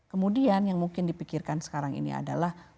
kemudian yang mungkin dipikirkan sekarang ini adalah